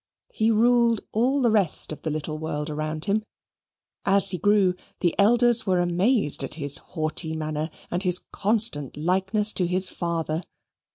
He ruled all the rest of the little world round about him. As he grew, the elders were amazed at his haughty manner and his constant likeness to his father.